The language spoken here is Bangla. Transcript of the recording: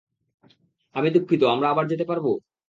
আমি দুঃখিত আমরা আবার যেতে পারবো?